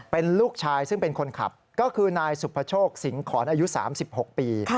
เป็นลูกชายซึ่งเป็นคนขับก็คือนายสุภโชคสิงหอนอายุ๓๖ปี